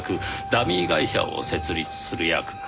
ダミー会社を設立する役。